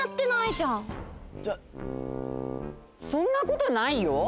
そんなことないよ。